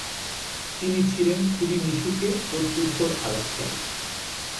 তিনি ছিলেন খুবই মিশুকে ও তুখোড় আলাপচারী।